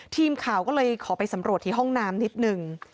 ทีมข่าวก็เลยขอไปสำรวจที่ห้องน้ำนิดนึง